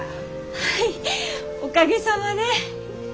はいおかげさまで。